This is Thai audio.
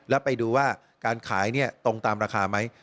แล้วไปดูว่าการขายตรงตามราคาไหม